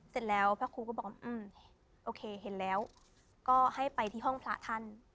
เสร็จแล้วพระครูก็บอกว่าโอเคเห็นแล้วก็ให้ไปที่ห้องพระท่าน